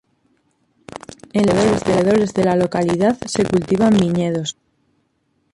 En los alrededores de la localidad se cultivan viñedos.